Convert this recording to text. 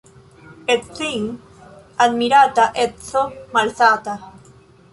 Edzin' admirata — edzo malsata.